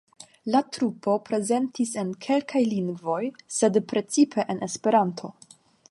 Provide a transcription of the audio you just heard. La trupo prezentis en kelkaj lingvoj, sed precipe en Esperanto.